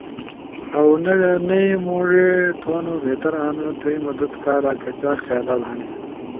اؤ نئی موڙی تھونو بہتر ہنو۔ تھئی مدد کارا کچاک خیالات ہنی۔